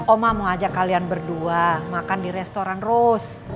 omah mau ajak kalian berdua makan di restoran rose